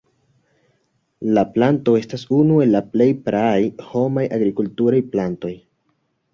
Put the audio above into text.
La planto estas unu el la plej praaj homaj agrikulturaj plantoj.